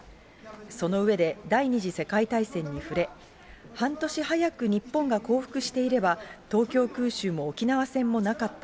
その上で、第２次世界大戦に触れ、半年早く日本が降伏していれば、東京空襲も沖縄戦もなかった。